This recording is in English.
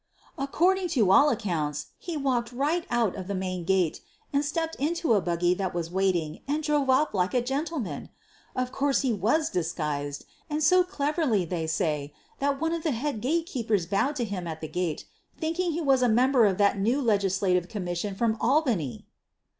"According to all accounts he walked right out of the main gate, stepped into a buggy that was waiting, and drove off like a gentleman. Of course QUEEN OF THE BURGLAES 71 he was disguised, and so cleverly they say that one of the head gatekeepers bowed to him at the gate, thinking he was a member of that new legislative commission from Albany.'